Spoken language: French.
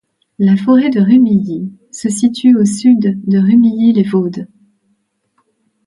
La Forêt de Rumilly se situe au sud de Rumilly-lès-Vaudes.